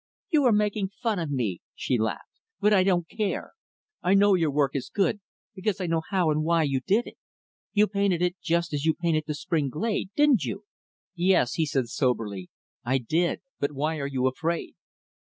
"You are making fun of me," she laughed. "But I don't care. I know your work is good, because I know how and why you did it. You painted it just as you painted the spring glade, didn't you?" "Yes," he said soberly, "I did. But why are you afraid?"